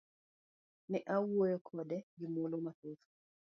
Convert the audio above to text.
Ne awuoyo kode gi muolo mathoth.